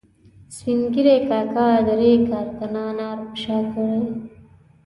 سپین ږیري کاکا درې کارتنه انار په شا کړي